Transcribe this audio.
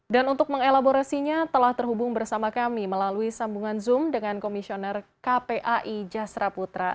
dan untuk mengelaboresinya telah terhubung bersama kami melalui sambungan zoom dengan komisioner kpai jasra putra